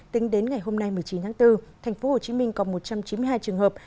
tính đến ngày hôm nay một mươi chín tháng bốn tp hcm còn một trăm chín mươi hai trường hợp